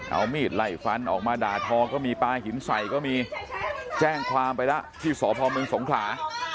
เอามีดไล่ฟันออกมาด่าทอก็มีปลาหินใส่ก็มีแจ้งความไปแล้วที่สพมสงขลา